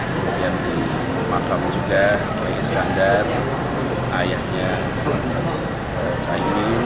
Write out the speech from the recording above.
kemudian di makam juga kiai eskandar ayahnya caimin